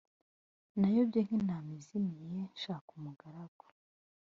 nayobye nk intama izimiye shaka umugaragu